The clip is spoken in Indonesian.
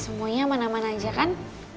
semuanya aman aman aja kan